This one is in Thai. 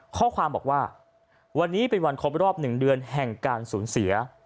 ข้อความบอกว่าวันนี้เป็นวันครบรอบ๑เดือนแห่งการสูญเสีย